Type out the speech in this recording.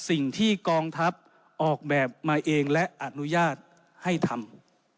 สิ่งที่กองทัพออกแบบมาเองและอนุญาตให้ทำ